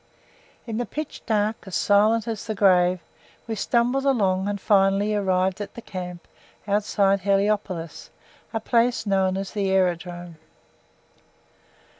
In the pitch dark, as silent as the grave, we stumbled along, and finally arrived at the camp outside Heliopolis, a place known as the Aerodrome.